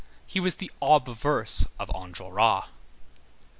He was the obverse of Enjolras.